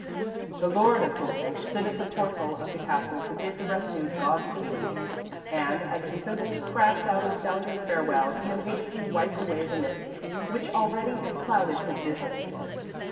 _ _The Lord of Content stood at the portal of the Castle to bid the retinue Godspeed, and as the cymbals crashed out a sounding farewell, he impatiently wiped away the mist, which already had clouded his vision.